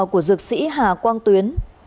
của dược sĩ hà quang tuyến